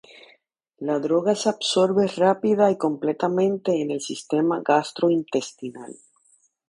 La droga se absorbe rápida y completamente en el sistema gastrointestinal.